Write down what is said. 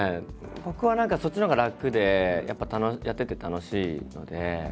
僕は何かそっちのほうが楽でやっぱやってて楽しいので。